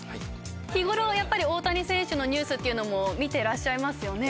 日頃大谷選手のニュースっていうのも見てらっしゃいますよね？